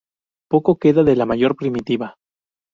Poco queda de la "Mayor primitiva".